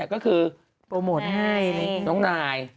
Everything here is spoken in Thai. ก็คือน้องนาย